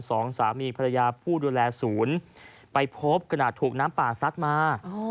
สองสามีภรรยาผู้ดูแลศูนย์ไปพบขณะถูกน้ำป่าซัดมา